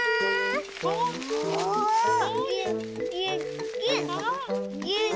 ぎゅっぎゅっぎゅっ。